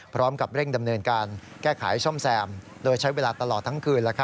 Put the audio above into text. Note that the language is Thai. พร้อมกับเร่งดำเนินการแก้ไขซ่อมแซมโดยใช้เวลาตลอดทั้งคืน